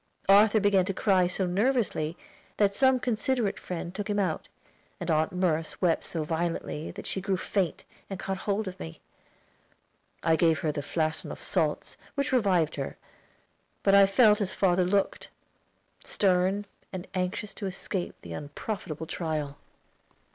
Arthur began to cry so nervously, that some considerate friend took him out, and Aunt Merce wept so violently that she grew faint, and caught hold of me. I gave her the flaçon of salts, which revived her; but I felt as father looked stern, and anxious to escape the unprofitable trial.